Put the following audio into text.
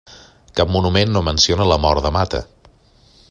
Cap document no menciona la mort de Mata.